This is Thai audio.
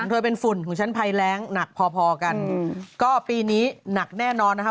เธอเป็นฝุ่นของฉันภัยแรงหนักพอพอกันก็ปีนี้หนักแน่นอนนะคะ